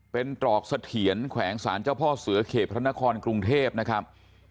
เป็นตรอกเสถียรแขวงศาลเจ้าพ่อเสือเขตพระนครกรุงเทพนะครับ